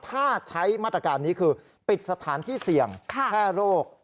ถ้าใช้มาตรการนี้คือปิดสถานที่เสี่ยงแพร่โรค